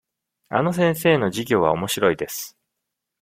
あの先生の授業はおもしろいです。